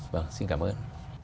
vâng xin cảm ơn